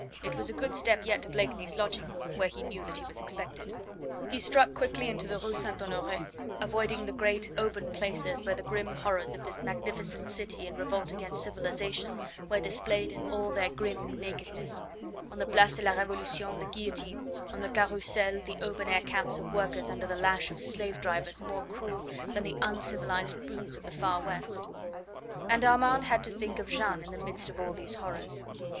It was a good step yet to Blakeney's lodgings, where he knew that he was expected. He struck quickly into the Rue St. Honore, avoiding the great open places where the grim horrors of this magnificent city in revolt against civilisation were displayed in all their grim nakedness on the Place de la Revolution the guillotine, on the Carrousel the open air camps of workers under the lash of slave drivers more cruel than the uncivilised brutes of the Far West. And Armand had to think of Jeanne in the midst of all these horrors.